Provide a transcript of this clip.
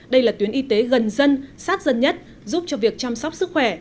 đây là tuyến y tế gần dân sát dân nhất giúp cho việc chăm sóc sức khỏe